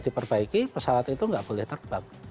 diperbaiki pesawat itu nggak boleh terbang